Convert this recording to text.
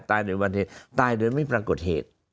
ตายโดยบันเทศตายโดยไม่ประกดเหตุ